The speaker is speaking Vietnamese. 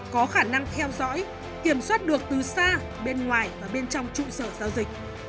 có khả năng theo dõi kiểm soát được từ xa bên ngoài và bên trong trụ sở giao dịch